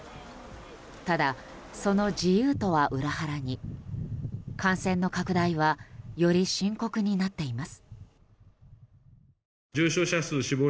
ただ、その自由とは裏腹に感染の拡大はより深刻になっています。